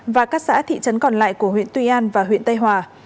và các xã thị trấn còn lại của huyện tuy an và huyện tây hòa